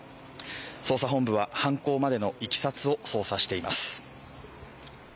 捜査本部は犯行までのいきさつを捜査しています。